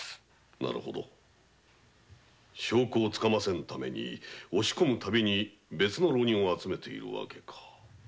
証拠をつかませぬため押し込む度に別な浪人を集めている訳か。